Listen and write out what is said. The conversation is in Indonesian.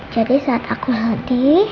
jadi saat aku hati